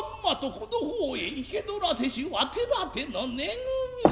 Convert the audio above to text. この方へ生け捕らせしは手だての根組み。